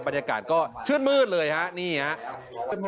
บรรยากาศก็ชื่นมืดเลยฮะนี่ครับ